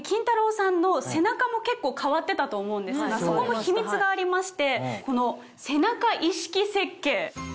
さんの背中も結構変わってたと思うんですがそこも秘密がありまして。